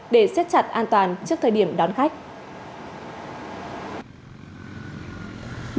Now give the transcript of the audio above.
để xếp chặt an toàn trước thời điểm đón khách